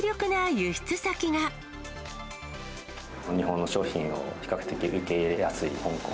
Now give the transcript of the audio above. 日本の商品を比較的受け入れやすい香港。